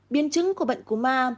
biến chứng của bệnh cô ma